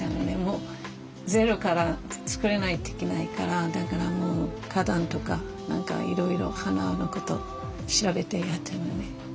でもゼロから造れないといけないからだからもう花壇とか何かいろいろ花の事調べてやったんやね。